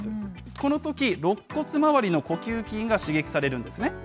このとき、ろっ骨周りの呼吸筋が刺激されるんですね。